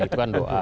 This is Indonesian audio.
itu kan doa